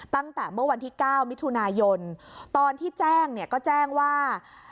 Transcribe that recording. ตั้งแต่เมื่อวันที่๙มิถุนายนตอนที่แจ้งเนี่ยก็แจ้งว่า